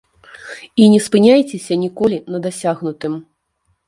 І не спыняйцеся ніколі на дасягнутым.